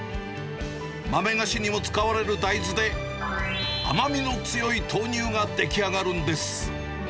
豆菓子にも使われる大豆で、甘みの強い豆乳が出来上がるんです。